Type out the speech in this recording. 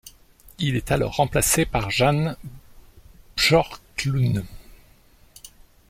Il est alors remplacé par Jan Björklund.